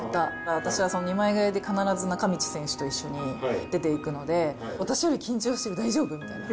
私は２枚がえで必ず中道選手と一緒に出ていくので、私より緊張してる、大丈夫？みたいな。